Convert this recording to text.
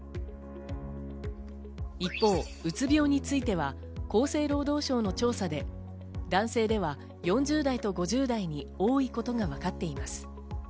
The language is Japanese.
一方、うつ病については厚生労働省の調査で、男性では４０代と５０代に多いことがわかっています。